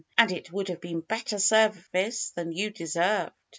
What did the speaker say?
^^And it would have been better service than you deserved."